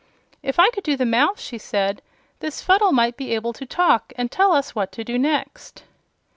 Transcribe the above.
"If I could find the mouth," she said, "this Fuddle might be able to talk, and tell us what to do next."